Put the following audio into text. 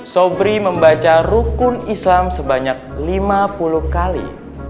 sobri membaca rukun islam sebanyak lima puluh kali